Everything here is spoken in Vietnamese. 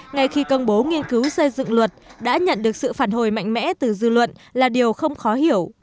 ngay khi công bố nghiên cứu xây dựng luật đã nhận được sự phản hồi mạnh mẽ từ dư luận là điều không khó hiểu